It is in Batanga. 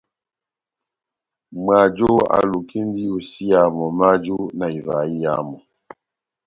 Mwajo alukindi iyosiya momó waju na ivaha iyamu.